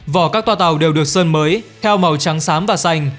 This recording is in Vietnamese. vỏ các toa tàu đều được sơn mới theo màu trắng sám và xanh